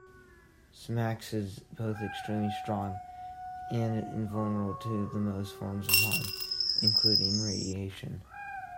Smax is both extremely strong, and invulnerable to most forms of harm, including radiation.